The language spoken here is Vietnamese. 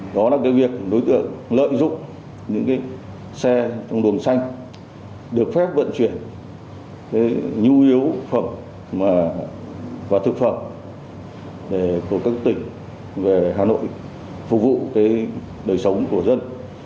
đó là cái việc đối tượng lợi dụng những cái xe trong đường xanh được phép vận chuyển nhu yếu phẩm và thực phẩm của các tỉnh về hà nội phục vụ cái đời sống của dân